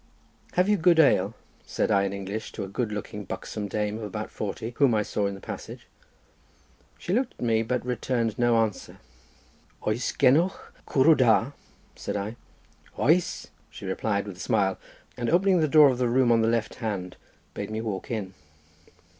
"Have you good ale?" said I in English to a good looking buxom dame, of about forty, whom I saw in the passage. She looked at me but returned no answer. "Oes genoch cwrw da?" said I. "Oes!" she replied with a smile, and opening the door of a room on the left hand bade me walk in.